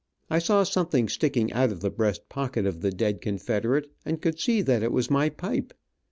I saw something sticking out of the breast pocket of the dead Confederate, and could see that it was my pipe.